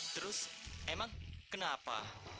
terus emang kenapa